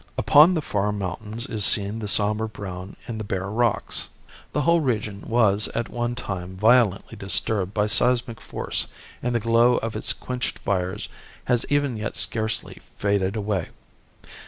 Upon the far mountains is seen the sombre brown in the bare rocks. The whole region was at one time violently disturbed by seismic force and the glow of its quenched fires has even yet scarcely faded away.